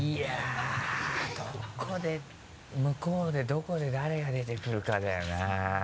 向こうでどこで誰が出てくるかだよな。